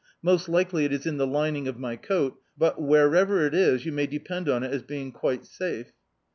Most likely it is in the lining of my coat; but, wherever it is, you may depend (m it as being quite safe."